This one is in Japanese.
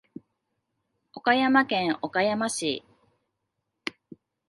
岡山県岡山市